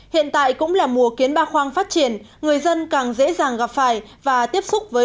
hiện tại cũng là mùa kiến ba khoang phát triển người dân càng dễ dàng gặp phải và tiếp xúc với